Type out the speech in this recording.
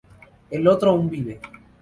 El otro aún vive.